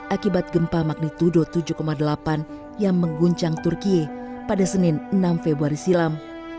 akibat gempa magnitudo tujuh delapan yang mengguncang turkiye pada senin enam februari silam